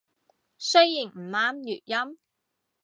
雖然唔啱粵音